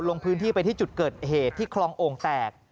ลงพื้นที่ไปที่จุดเกิดเหตุที่คลองโอ่งแตก